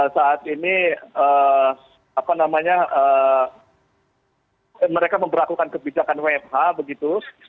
saat ini apa namanya mereka memperlakukan kebijakan wfh begitu